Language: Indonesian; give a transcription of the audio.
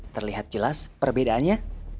terlihat jelas perbedaannya